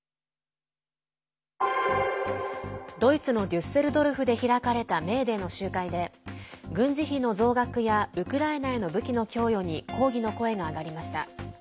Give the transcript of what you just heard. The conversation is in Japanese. ドイツのデュッセルドルフで開かれたメーデーの集会で軍事費の増額やウクライナへの武器の供与に抗議の声が上がりました。